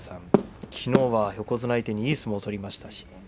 きのうは横綱相手にいい相撲を取りました。